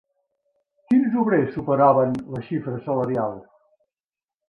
Quins obrers superaven la xifra salarial?